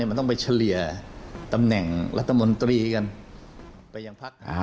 มันต้องไปเฉลี่ยตำแหน่งรัฐมนตรีกัน